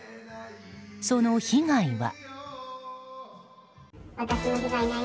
その被害は。